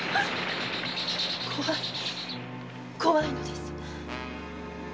怖い怖いのです。